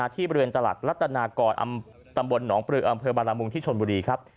ที่บริเวณตลักษณ์รัฐนากรอำตำบลหนองปลือกอำเภอบรรณมุมที่ชนบุรีครับ